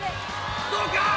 どうか？